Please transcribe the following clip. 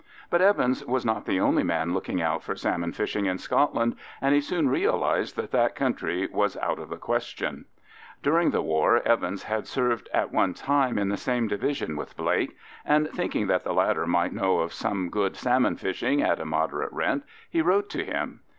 But Evans was not the only man looking out for salmon fishing in Scotland, and he soon realised that that country was out of the question. During the war Evans had served at one time in the same division with Blake, and thinking that the latter might know of some good salmon fishing at a moderate rent, he wrote to him.